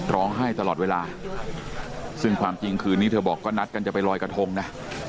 ร้องไห้ตลอดเวลาซึ่งความจริงคืนนี้เธอบอกก็นัดกันจะไปลอยกระทงนะ